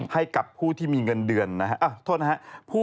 ให้กับผู้ที่มีเงินเดือนนะฮะโทษนะครับ